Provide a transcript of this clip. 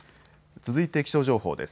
続いて気象情報です。